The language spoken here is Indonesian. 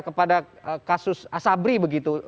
kepada kasus asabri begitu